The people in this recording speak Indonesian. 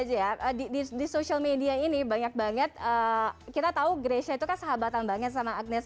aja ya di social media ini banyak banget kita tahu grecia itu kan sahabatan banget sama agnes